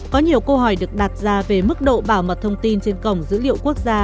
có nhiều câu hỏi được đặt ra về mức độ bảo mật thông tin trên cổng dữ liệu quốc gia